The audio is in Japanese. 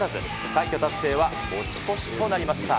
快挙達成は持ち越しとなりました。